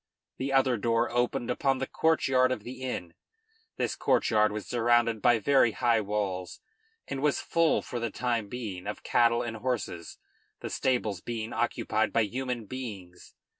The other door opened upon the courtyard of the inn. This courtyard was surrounded by very high walls and was full, for the time being, of cattle and horses, the stables being occupied by human beings.